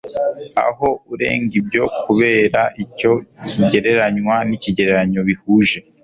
aho urenga ibyo kurebaicyo ikigereranywa n'ikigereranyo bihuje